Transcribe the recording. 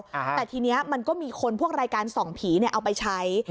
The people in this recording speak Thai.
แต่ทีนี้มันก็มีคนพวกรายการส่องผีเนี่ยเอาไปใช้